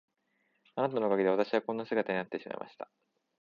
あなたのおかげで私はこんな姿になってしまいました。